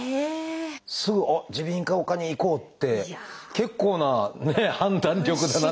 すぐあっ耳鼻咽喉科に行こうって結構な判断力だなって。